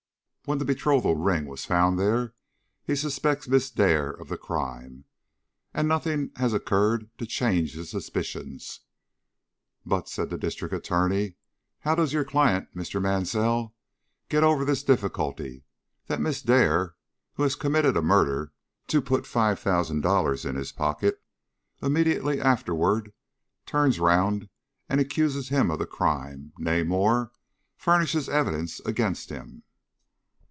When the betrothal ring was found there, he suspects Miss Dare of the crime, and nothing has occurred to change his suspicions." "But," said the District Attorney, "how does your client, Mr. Mansell, get over this difficulty; that Miss Dare, who has committed a murder to put five thousand dollars into his pocket, immediately afterward turns round and accuses him of the crime nay more, furnishes evidence against him!"